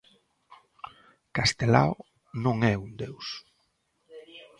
Castelao non é un deus.